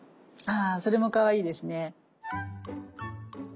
あそれもかわいいですね。